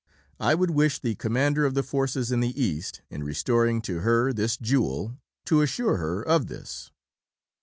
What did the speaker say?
I would wish the Commander of the Forces in the East, in restoring to Her this jewel, to assure Her of this."